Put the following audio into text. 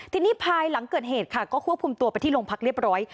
ทีนี้ภายหลังเกิดเหตุค่ะก็ควบคุมตัวไปที่โรงพักเรียบร้อย